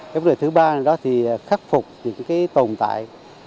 cái vấn đề thứ ba là đó thì khắc phục những cái tồn tại